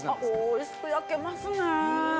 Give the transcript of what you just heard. おいしく焼けますね